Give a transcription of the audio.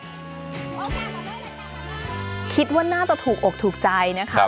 คิดว่าน่าจะถูกอกถูกใจนะคะ